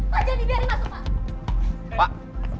pak jangan dibiarin masuk pak